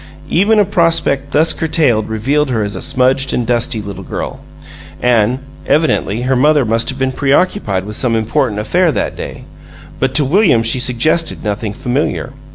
Even a prospect thus curtailed revealed her as a smudged and dusty little girl; and, evidently, her mother must have been preoccupied with some important affair that day; but to William she suggested nothing familiar.